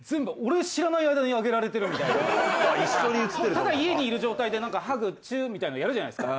ただ家にいる状態でハグチューみたいのやるじゃないですか。